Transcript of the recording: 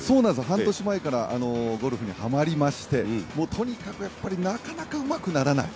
半年前からゴルフにハマりましてとにかくなかなかうまくならない！